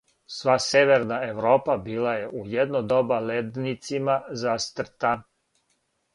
Сва северна Европа била је у једно доба ледницима застрта.